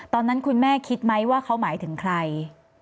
ตอนนั้นคุณแม่คิดไหมว่าเขาหมายถึงใคร